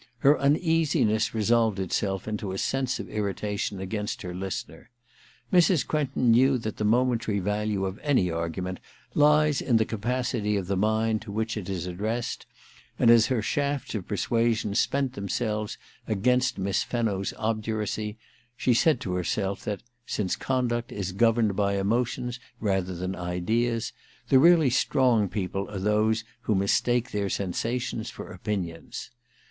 Her uneasiness resolved itself into a sense of irritation against her listener. Mrs. Quentin knew that the momentary value of any argument lies in the capacity of the mind to which it is addressed ; 294 THE QUICKSAND ir and as her shafts of persuasion spent themselves against Miss Fenno's obduracy, she said to herself that, since conduct is governed by emotions rather than ideas, the really strong people are those who mistake their sensations for opinions.